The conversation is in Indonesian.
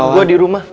penat gue di rumah